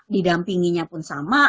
didampinginya pun sama